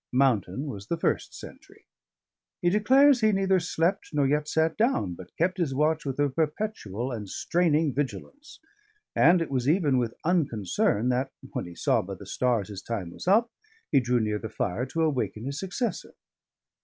Mountain was the first sentry; he declares he neither slept nor yet sat down, but kept his watch with a perpetual and straining vigilance, and it was even with unconcern that (when he saw by the stars his time was up) he drew near the fire to awaken his successor.